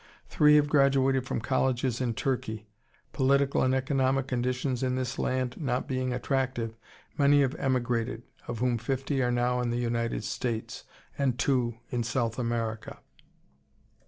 Three have graduated from colleges in Turkey. Political and economic conditions in this land not being attractive, many have emigrated, of whom fifty are now in the United States, and two in South America.